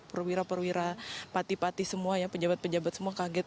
perwira perwira pati pati semua ya pejabat pejabat semua kaget